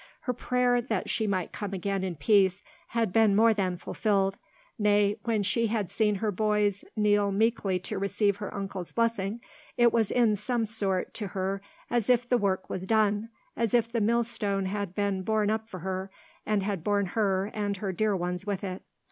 Her prayer that she might come again in peace had been more than fulfilled; nay, when she had seen her boys kneel meekly to receive her uncle's blessing, it was in some sort to her as if the work was done, as if the millstone had been borne up for her, and had borne her and her dear ones with it.